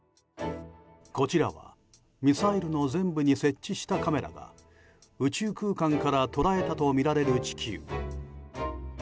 こちらはミサイルの前部に設置したカメラが宇宙空間から捉えたとみられる地球。